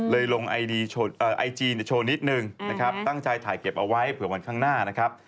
ลงไอจีโชว์นิดนึงนะครับตั้งใจถ่ายเก็บเอาไว้เผื่อวันข้างหน้านะครับ